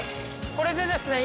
これでですね